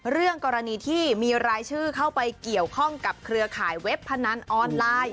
เรื่องกรณีที่มีรายชื่อเข้าไปเกี่ยวข้องกับเครือข่ายเว็บพนันออนไลน์